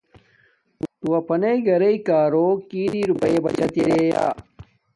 تو اپناݵ گرانݣ اگچوں کی اری روپے بچت اریا۔